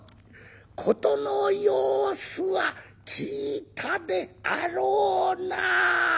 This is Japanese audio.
「事の様子は聞いたであろうな」。